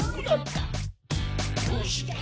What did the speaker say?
「どうして？